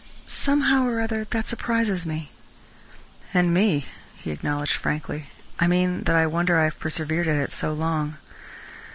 Somehow or other, that surprises me." "And me," he acknowledged frankly. "I mean that I wonder I have persevered at it so long."